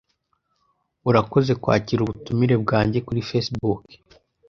Urakoze kwakira ubutumire bwanjye kuri Facebook.